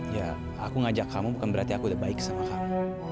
ya aku ngajak kamu bukan berarti aku udah baik sama kamu